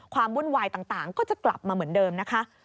วุ่นวายต่างก็จะกลับมาเหมือนเดิมนะคะ